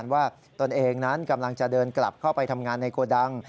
ว่าตนเองนั้นกำลังจะเดินกลับเข้าไปทำงานในโกดัง